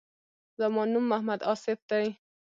زما نوم محمد آصف دی.